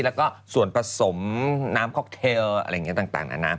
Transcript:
แล้วก็ส่วนผสมน้ำค็อกเทลอะไรอย่างนี้ต่างนะนะ